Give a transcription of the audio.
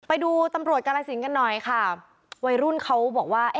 ไปดูตำรวจกาลสินกันหน่อยค่ะวัยรุ่นเขาบอกว่า